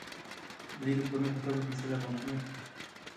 دوی د پورونو په توګه پیسې له بانکونو اخلي